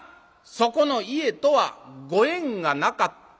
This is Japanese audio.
そこの家とはご縁がなかったっちゅうの。